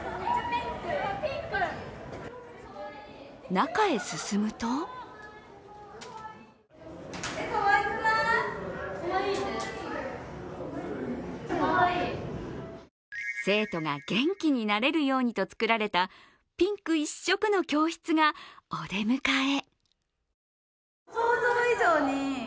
中へ進むと生徒が元気になれるようにと作られたピンク一色の教室がお出迎え。